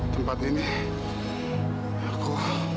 tempat ini aku